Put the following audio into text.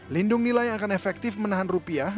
lindung nilai akan efektif menahan rupiah